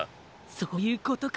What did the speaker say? そういうことか。